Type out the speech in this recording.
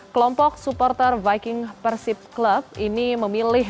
kelompok supporter viking persib club ini memilih